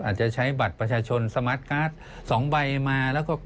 อาจจะใช้บัตรประชาชนสมาร์ทการ์ด๒ใบมาแล้วก็